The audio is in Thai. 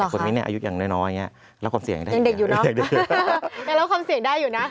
หรอคะอย่างเด็กอยู่เนอะลับความเสี่ยงได้อยู่นะ